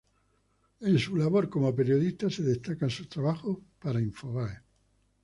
En su labor como periodista se destacan sus trabajos para Infobae.